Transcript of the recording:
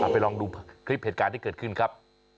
ไปลองดูคลิปเหตุการณ์ที่เกิดขึ้นครับ